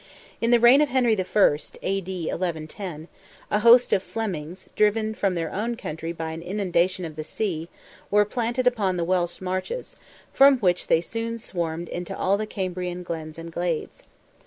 In the reign of Henry I. (A.D. 1110), a host of Flemings, driven from their own country by an inundation of the sea, were planted upon the Welsh marches, from which they soon swarmed into all the Cambrian glens and glades.